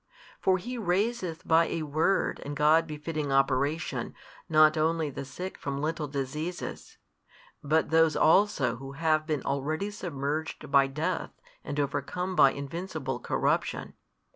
For He raiseth by a word and God befitting Operation not only the sick from little diseases, but those also who have been already submerged by death and overcome by invincible corruption.